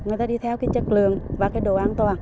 người ta đi theo chất lượng và đồ an toàn